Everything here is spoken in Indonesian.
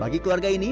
bagi keluarga ini